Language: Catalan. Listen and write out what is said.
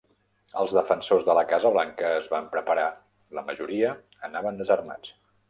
Els defensors de la Casa Blanca es van preparar, la majoria anaven desarmats.